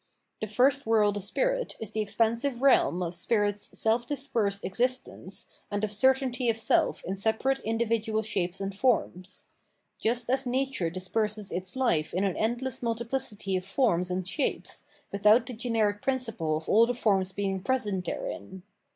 The first world of spirit is the expansive realm of spirit's self dispersed existence and of certainty of self in separate individual shapes and forms : just as nature disperses its fife in an endless multiphcity of forms and shapes, without thegeneric principle of all the forms being present therein.